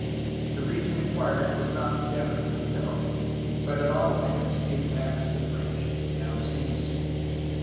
The region acquired was not definitely known, but at all events the attacks of the French now ceased.